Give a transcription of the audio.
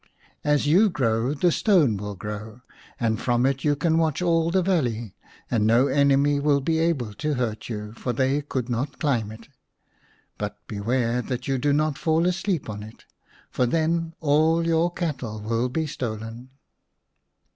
As you grow the stone will grow, and from it you can watch all the valley, and no enemy will be able to hurt you, for they could not climb it. But beware that you do not fall asleep on it, for then all your cattle will be stolen."